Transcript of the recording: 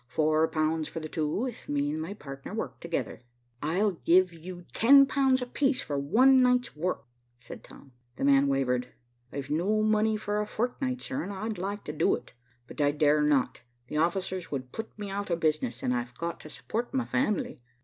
Four pounds for the two, if me and my partner work together." "I'll give you ten pounds apiece for one night's work," said Tom. The man wavered. "I've no money for a fortnight, sir, and I'd like to do it, but I dare not; the officers would put me out of business, and I've got to support my family."